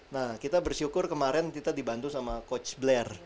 nah kita bersyukur kemaren kita dibantu sama coach blair